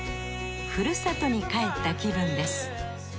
ふるさとに帰った気分です。